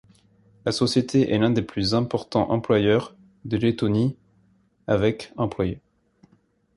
La société est l'un des plus importants employeurs de Lettonie avec employés.